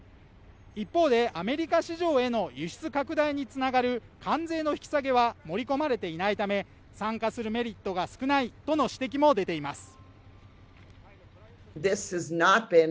一方で、アメリカ市場への輸出拡大につながる関税の引き下げは盛り込まれていないため、参加するメリットが少ないとの指摘も出ています。